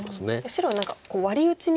白は何かワリ打ちに近い。